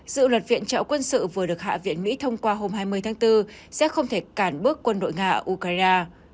dự luật viện trợ quân sự vừa được hạ viện mỹ thông qua hôm hai mươi tháng bốn sẽ không thể cản bước quân đội nga ở ukraine